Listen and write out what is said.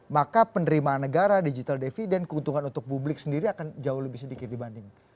maka penerimaan negara digital dividend keuntungan untuk publik sendiri akan jauh lebih sedikit dibanding